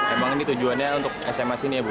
emang ini tujuannya untuk sma sini ya bu